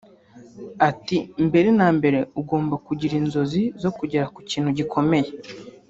Ati”Mbere na mbere ugomba kugira inzozi zo kugera ku kintu gikomeye